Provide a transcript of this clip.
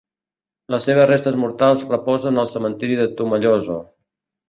Les seves restes mortals reposen al cementiri de Tomelloso.